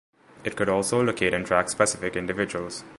It could also locate and track specific individuals.